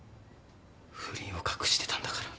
不倫を隠してたんだから。